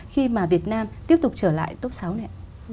khi mà việt nam tiếp tục trở lại top sáu này